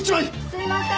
すいません。